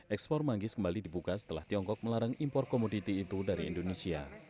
ekspor manggis kembali dibuka setelah tiongkok melarang impor komoditi itu dari indonesia